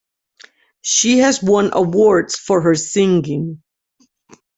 She has won awards for her singing.